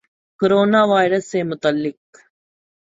corona virus سے متعلق